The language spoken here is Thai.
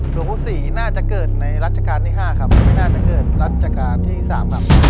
หลวงปู่ศรีน่าจะเกิดในรัชกาลที่๕ครับไม่น่าจะเกิดรัชกาลที่๓ครับ